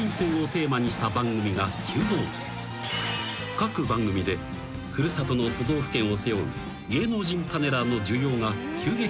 ［各番組で古里の都道府県を背負う芸能人パネラーの需要が急激に高まる］